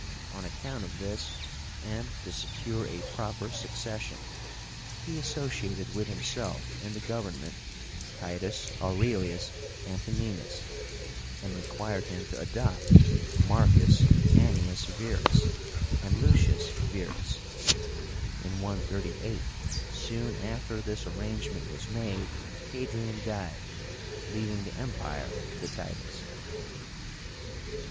On account of this, and to secure a proper succession, he associated with himself in the government TITUS AURELIUS ANTONÍNUS, and required him to adopt Marcus Annius Verus and Lucius Verus. In 138, soon after this arrangement was made, Hadrian died, leaving the Empire to Titus.